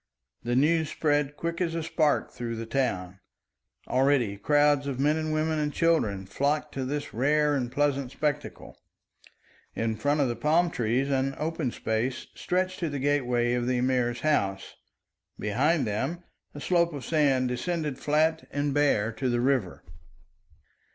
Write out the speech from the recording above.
The news spread quick as a spark through the town; already crowds of men and women and children flocked to this rare and pleasant spectacle. In front of the palm trees an open space stretched to the gateway of the Emir's house; behind them a slope of sand descended flat and bare to the river.